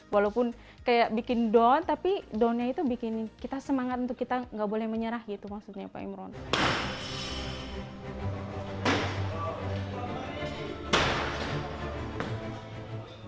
walaupun kayak bikin down tapi downnya itu bikin kita semangat untuk kita gak boleh menyerah gitu maksudnya pak imron